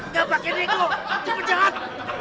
gak pake nego coba jalan